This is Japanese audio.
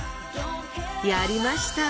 やりました！